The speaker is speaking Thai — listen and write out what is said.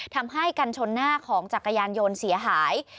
ทำให้กันชนหน้าของจักรยานยนต์เสียหาย